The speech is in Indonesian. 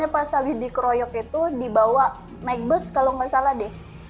pas habis dikeroyok itu dibawa naik bus kalau nggak salah deh